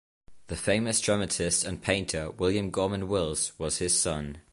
The famous dramatist and painter William Gorman Wills was his son.